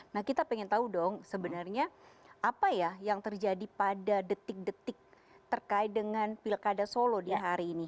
nah kita pengen tahu dong sebenarnya apa ya yang terjadi pada detik detik terkait dengan pilkada solo di hari ini